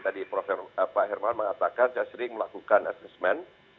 tadi prof herman mengatakan saya sering melakukan assessment